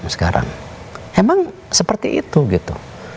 sekarang emang seperti itu gitu